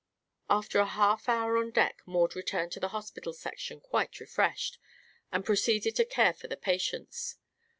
After a half hour on deck Maud returned to the hospital section quite refreshed, and proceeded to care for the patients.